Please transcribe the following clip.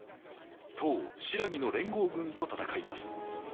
唐・新羅の連合軍と戦います。